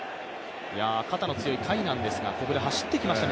肩の強い甲斐なんですが、走ってきましたね。